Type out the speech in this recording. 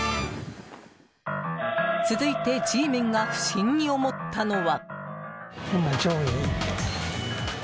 続いて、Ｇメンが不審に思ったのは。